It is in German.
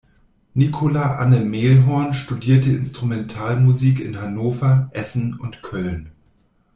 Nikola Anne Mehlhorn studierte Instrumentalmusik in Hannover, Essen und Köln.